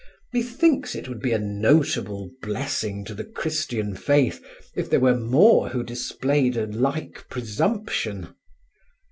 Methinks it would be a notable blessing to the Christian faith if there were more who displayed a like presumption.